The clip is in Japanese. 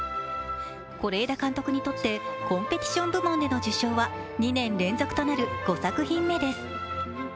是枝監督にとってコンペティション部門での受賞は２年連続となる５作品目です。